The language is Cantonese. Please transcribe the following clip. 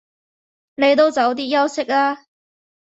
你都早啲休息啦